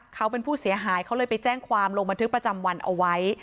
เขาเป็นผู้เสียหายเขาเลยไปแจ้งความลงบันทึกประจำวันเอาไว้